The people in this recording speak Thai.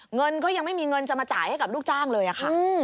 เงินก็ยังไม่มีเงินจะมาจ่ายให้กับลูกจ้างเลยค่ะ